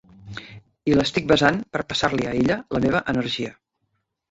I l'estic besant per passar-li a ella la meva energia.